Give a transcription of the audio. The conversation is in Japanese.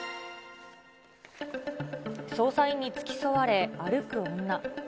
捜査員に付き添われ歩く女。